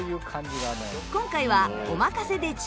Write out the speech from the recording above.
今回はお任せで注文。